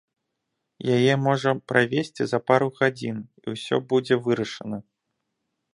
Яе можа правесці за пару гадзін, і ўсё будзе вырашана!